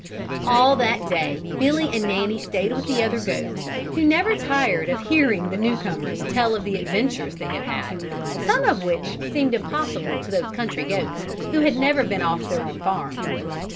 All that day Billy and Nanny stayed with the other goats who never tired of hearing the new comers tell of the adventures they had had, some of which seemed impossible to those country goats who had never been off their own farm.